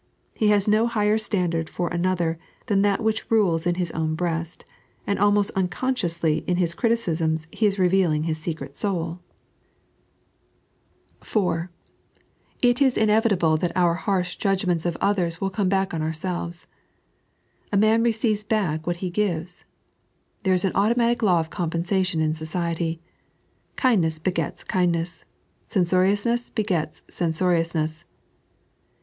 He has no higher standard for another than that which rules in bis own breast, and almost unconsciously in his criticisms he is revealing his eeoret soul. 3.n.iized by Google 168 "To Them that abb Without." {4) It it inevUabU tliat our harsh jvdgmenta of oikera toiU ooma back on omtdvea. A. mftn receives faack what he givee. There is an automatic law of compenfiatioa in society. Kindness begets kindness, censoriousness begets oeusorioasneBS.